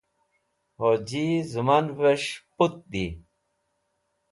hoji zuman'vesh puth di